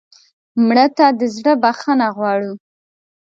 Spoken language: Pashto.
مړه ته د زړه بښنه غواړو